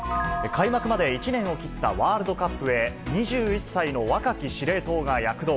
開幕まで１年を切ったワールドカップへ、２１歳の若き司令塔が躍動。